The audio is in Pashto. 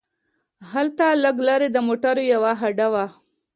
هلته لږ لرې د موټرو یوه هډه وه.